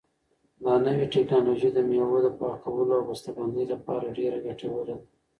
دا نوې ټیکنالوژي د مېوو د پاکولو او بسته بندۍ لپاره ډېره ګټوره ده.